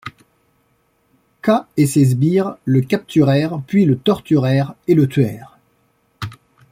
K et ses sbires le capturèrent puis le torturèrent et le tuèrent.